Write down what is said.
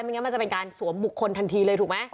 งั้นมันจะเป็นการสวมบุคคลทันทีเลยถูกไหม